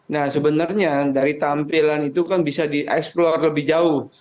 nah sebenarnya dari tampilan itu kan bisa di explor lebih jauh